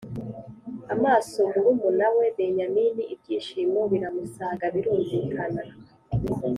Amaso murumuna we benyamini ibyishimo biramusaga birumvikana